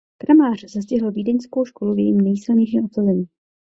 Kramář zastihl vídeňskou školu v jejím nejsilnějším obsazení.